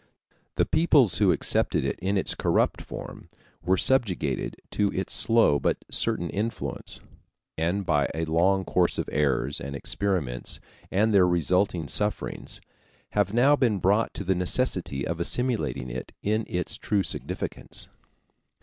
The peoples who accepted it in its corrupt form were subjected to its slow but certain influence, and by a long course of errors and experiments and their resultant sufferings have now been brought to the necessity of assimilating it in its true significance.